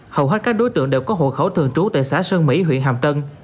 hầu hết các đối tượng đều có hộ khẩu thường trú tại xã sơn mỹ huyện hàm tân